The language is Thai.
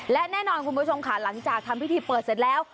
และแน่นอนคุณผู้ชมค่ะหลังจากทำพิธีเปิดเสร็จแล้ว